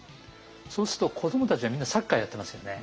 そうすると子どもたちはみんなサッカーやってますよね。